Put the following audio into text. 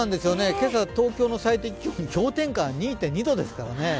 今朝、東京最低気温、氷点下２．２度ですからね。